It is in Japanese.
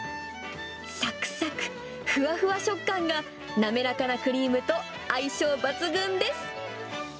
さくさくふわふわ食感が、滑らかなクリームと相性抜群です。